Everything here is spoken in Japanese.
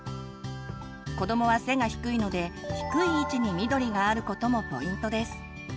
子どもは背が低いので低い位置に緑があることもポイントです。